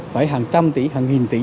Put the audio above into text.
phải hàng trăm tỷ hàng nghìn tỷ